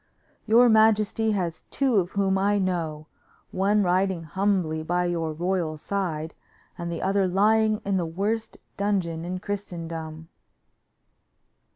"Your majesty has two of whom I know; one riding humbly by your royal side, and the other lying in the worst dungeon in Christendom."